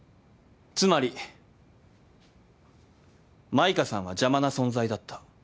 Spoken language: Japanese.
つまり舞歌さんは邪魔な存在だった。